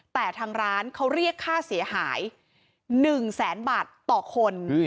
แต่ทางร้านเขาเรียกค่าเสียหาย๑แสนบาทต่อคน